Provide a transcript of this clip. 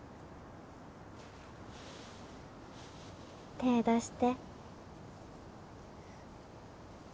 手出して。